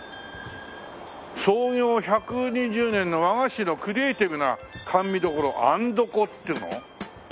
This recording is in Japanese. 「創業１２０年の和菓子のクリエイティブな甘味処アンドコ」っていうの？